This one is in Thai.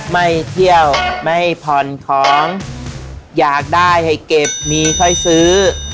ไม่เที่ยวไม่ผ่อนของอยากได้ให้เก็บมีค่อยซื้อ